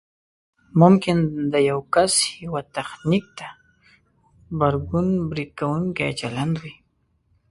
ممکن د یو کس یوه تخنیک ته غبرګون برید کوونکی چلند وي